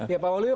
ya pak waluwiu